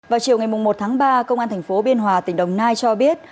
vào chiều ngày một tháng ba công an thành phố biên hòa tỉnh đồng nai cho biết